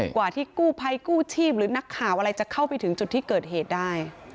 กว่าที่กู้ภัยกู้ชีพหรือนักข่าวอะไรจะเข้าไปถึงจุดที่เกิดเหตุได้